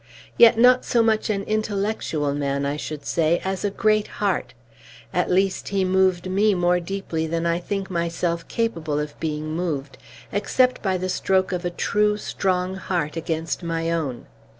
Yet not so much an intellectual man, I should say, as a great heart; at least, he moved me more deeply than I think myself capable of being moved, except by the stroke of a true, strong heart against my own.